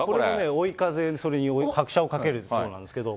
追い風に拍車をかけるそうなんですけれども。